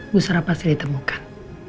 gusarapa pasti ditemukan